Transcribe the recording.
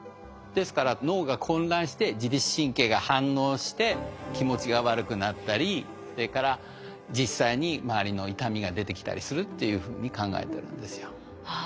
ですから脳が混乱して自律神経が反応して気持ちが悪くなったりそれから実際に周りの痛みが出てきたりするっていうふうに考えてるんですよ。